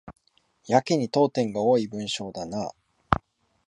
やけに読点が多い文章だな